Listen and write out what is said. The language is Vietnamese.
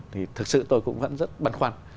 thì thực sự tôi cũng vẫn rất bận khoăn